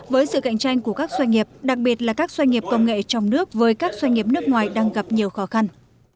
với sự cạnh tranh của các doanh nghiệp đặc biệt là các doanh nghiệp công nghệ trong nước với các doanh nghiệp nước ngoài đang gặp nhiều khó khăn